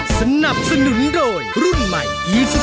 เพราะร้องได้พยาบาล